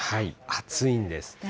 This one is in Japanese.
暑いんです。